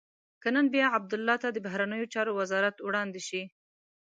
که نن بیا عبدالله ته د بهرنیو چارو وزارت وړاندې شي.